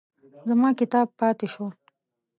زما کتاب پاتې شو.